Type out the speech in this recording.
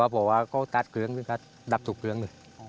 เขาบอกว่าก็ตัดเครื่องด้วยครับดับถึงเครื่องด้วยอ๋อ